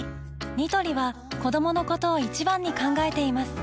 ニトリは子どものことを一番に考えています